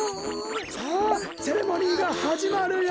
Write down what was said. さあセレモニーがはじまるよ！